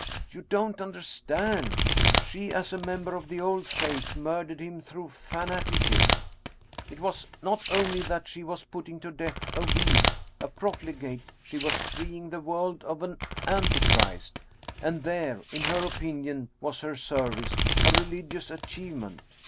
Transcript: " You don't understand ? She, as a member of the Old Faith, murdered him through fanaticism. It was not only 168 Anton Chekhoff that she was putting to death a weed, a profligate she was freeing the world of an antichrist ! and there, in her opin ion, was her service, her religious achievement!